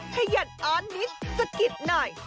ให้หยั่นอ้อนนิดสกิดหน่อย